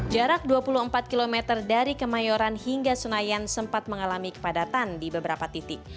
jarak dua puluh empat km dari kemayoran hingga senayan sempat mengalami kepadatan di beberapa titik